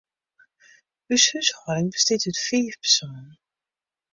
Us húshâlding bestiet út fiif persoanen.